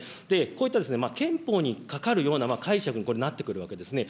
こういった憲法にかかるような解釈になってくるわけですね。